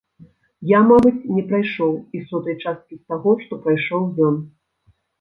Я, мабыць, не прайшоў і сотай часткі з таго, што прайшоў ён.